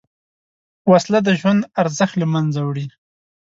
وسله د ژوند ارزښت له منځه وړي